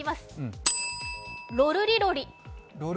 ロルリロリ。